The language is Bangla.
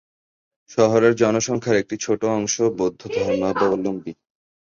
শহরের জনসংখ্যার একটি ছোট অংশ বৌদ্ধ ধর্মাবলম্বী।